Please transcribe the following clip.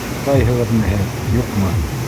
Туҡтайһығыҙмы һеҙ, юҡмы?!